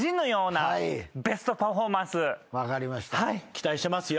期待してますよ。